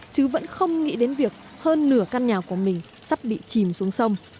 chứ vẫn không nghĩ đến việc hơn nửa căn nhà của mình sắp bị chìm xuống sông